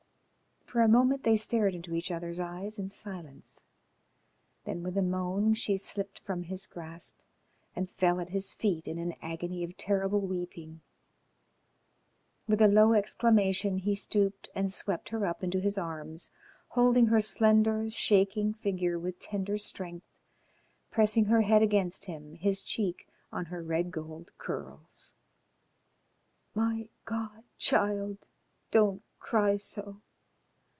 For a moment they stared into each other's eyes in silence, then, with a moan, she slipped from his grasp and fell at his feet in an agony of terrible weeping. With a low exclamation he stooped and swept her up into his arms, holding her slender, shaking figure with tender strength, pressing her head against him, his cheek on her red gold curls. "My God! child, don't cry so.